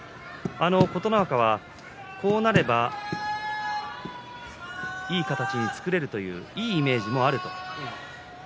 琴ノ若は、こうなればいい形が作れるといういいイメージもあると。